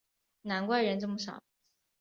难怪人这么少